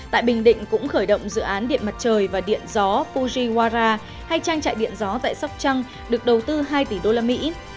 tại bình định cũng khởi động dự án điện mặt trời và điện gió fujiwara hay trang trại điện gió tại sóc trăng được đầu tư hai tỷ usd